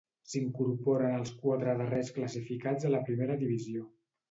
S'incorporen els quatre darrers classificats a la Primera Divisió.